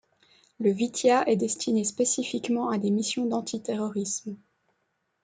Le Vitiaz est destiné spécifiquement à des missions d'anti-terrorisme.